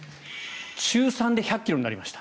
中３で１００ｋｍになりました。